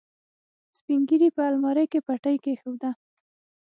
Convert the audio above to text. سپينږيري په المارۍ کې پټۍ کېښوده.